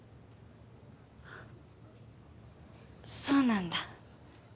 そうなんだ。